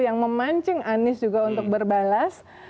yang memancing anies juga untuk berbalas